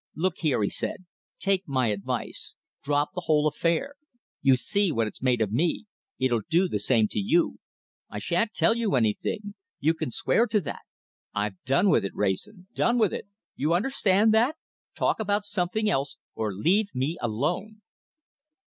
"Look here," he said. "Take my advice. Drop the whole affair. You see what it's made of me. It'll do the same to you. I shan't tell you anything! You can swear to that. I've done with it, Wrayson, done with it! You understand that? Talk about something else, or leave me alone!"